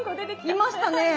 いましたね。